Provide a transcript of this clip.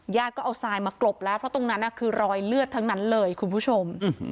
ก็เอาทรายมากรบแล้วเพราะตรงนั้นคือรอยเลือดทั้งนั้นเลยคุณผู้ชม